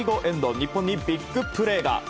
日本にビッグプレーが。